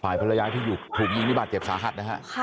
ฝ่ายพละยายที่อยู่ถูกยิงในบาดเจ็บสาหัสนะฮะค่ะ